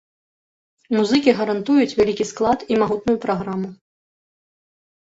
Музыкі гарантуюць вялікі склад і магутную праграму.